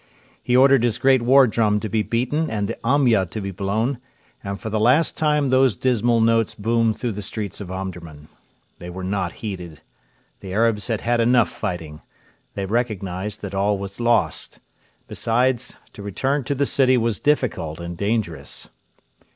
He ordered his great war drum to be beaten and the ombya to be blown, and for the last time those dismal notes boomed through the streets of Omdurman. They were not heeded. The Arabs had had enough fighting. They recognised that all was lost. Besides, to return to the city was difficult and dangerous.